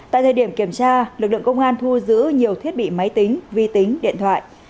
tại thời điểm kiểm tra lực lượng công an thu giữ nhiều thiết bị máy tính vi tính điện thoại